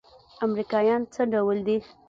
امريکايان څه ډول دي.